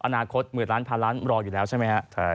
อนาคตหมื่นล้านพันล้านรออยู่แล้วใช่ไหมครับ